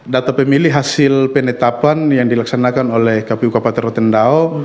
data pemilih hasil penetapan yang dilaksanakan oleh kpu kapal terotendau